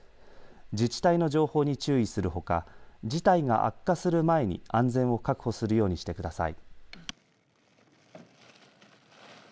自治体の情報に注意するほか事態が悪化する前に安全を確保するようにしてください。